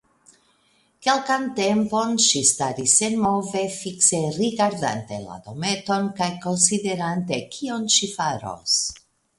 Kelkan tempon ŝi staris senmove, fikse rigardante la dometon kaj konsiderante, kion ŝi faros.